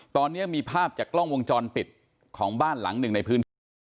ตอนนี้มีภาพจากกล้องวงจรปิดของบ้านหลังหนึ่งในพื้นที่